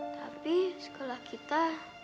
tapi sekolah kita